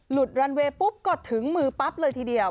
รันเวย์ปุ๊บก็ถึงมือปั๊บเลยทีเดียว